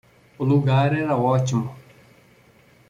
O lugar era ótimo.